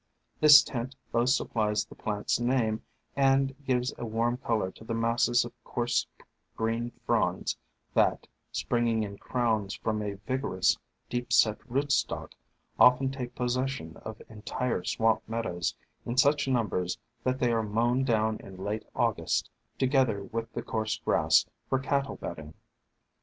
This tint both supplies the plant's name and gives a warm color to the masses of coarse green fronds that, springing in crowns from a vig orous, deep set rootstock, often take possession of entire swamp meadows in such numbers that they are mown down in late August, together with the coarse grass, for cattle bedding.